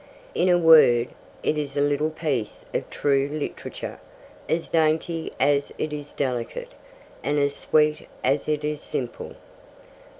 In a word, it is a little piece of true literature, as dainty as it is delicate, and as sweet as it is simple.